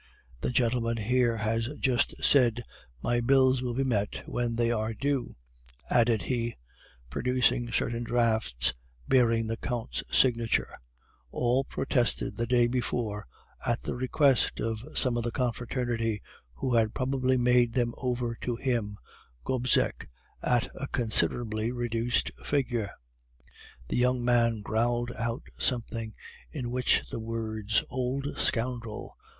This gentleman here has just said, "My bills will be met when they are due,"' added he, producing certain drafts bearing the Count's signature, all protested the day before at the request of some of the confraternity, who had probably made them over to him (Gobseck) at a considerably reduced figure. "The young man growled out something, in which the words 'Old scoundrel!